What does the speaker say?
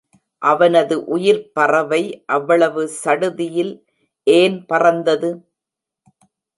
அவனது உயிர்ப் பறவை அவ்வளவு சடுதியில் ஏன் பறந்தது?